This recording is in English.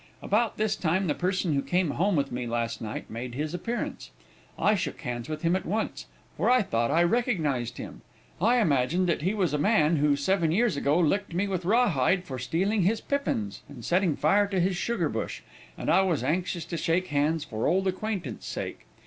About this time the person who came home with me last night made his appearance. I shook hands with him at once, for I thought I recognized him. I imagined that he was a man who, seven years ago, licked me with a rawhide for stealing his pippins and setting fire to his sugar bush, and I was anxious to shake hands for old acquaintance sake.